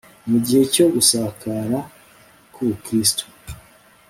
Mu gihe cyo gusakara kUbukristo